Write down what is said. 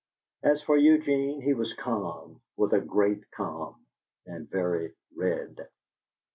As for Eugene, he was calm with a great calm, and very red.